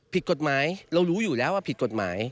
ผิดกฎหมายเรารู้อยู่แล้วว่าผิดกฎหมาย